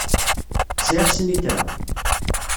Sɛiɣ snitra.